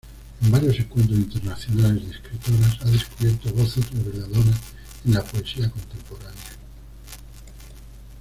En varios encuentros internacionales de escritoras, ha descubierto voces reveladoras en la poesía contemporánea.